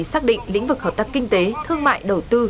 xác định lĩnh vực hợp tác kinh tế thương mại đầu tư